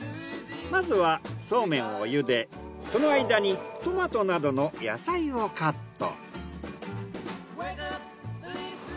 まずはそうめんをゆでその間にトマトなどの野菜をカット。